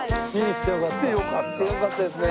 来てよかったですね。